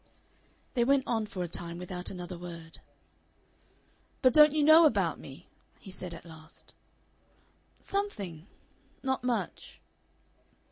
They went on for a time without another word. "But don't you know about me?" he said at last. "Something. Not much."